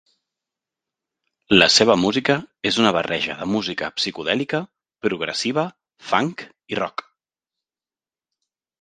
La seva música és una barreja de música psicodèlica, progressiva, funk i rock.